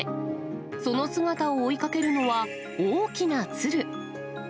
その姿を追いかけるのは、大きな鶴。